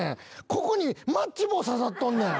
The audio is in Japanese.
ここにマッチ棒差さっとんねん。